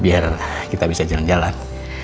biar kita bisa jalan jalan